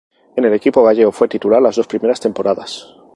En el equipo gallego fue titular las dos primeras temporadas.